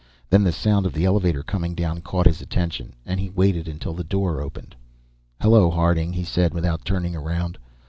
Then the sound of the elevator coming down caught his attention, and he waited until the door opened. "Hello, Harding," he said without turning around.